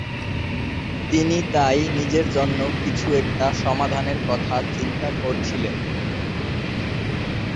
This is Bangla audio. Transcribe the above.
তিনি তাই নিজের জন্য কিছু একটা সমাধানের কথা চিন্তা করছিলেন।